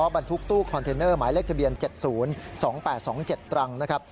บรรทุกตู้คอนเทนเนอร์หมายเลขทะเบียน๗๐๒๘๒๗ตรังนะครับ